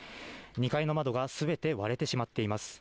２階の窓が全て割れてしまっています。